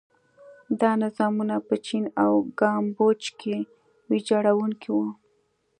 دا نظامونه په چین او کامبوج کې ویجاړوونکي وو.